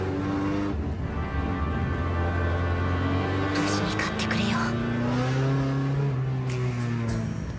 無事に勝ってくれよ。